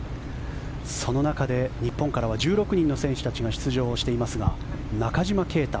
その中で、日本からは１６人の選手たちが出場していますが中島啓太